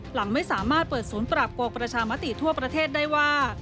หลังไม่สามารถเปิดศูนย์ปราบโกงประชามติทั่วประเทศได้ว่า